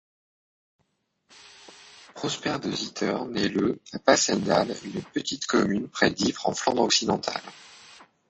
Prosper de Zitter nait le à Passendale, une petite commune près d'Ypres en Flandre-Occidentale.